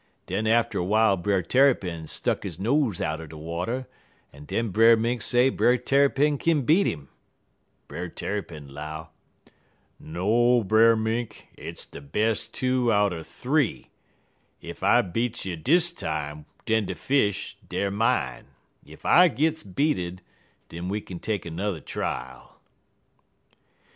Den atter w'ile Brer Tarrypin stuck he nose out er de water, en den Brer Mink say Brer Tarrypin kin beat 'im. Brer Tarrypin 'low: "'No, Brer Mink; hit's de bes' two out er th'ee. Ef I beats you dis time den de fish, deyer mine; ef I gits beated, den we kin take 'n'er trial.'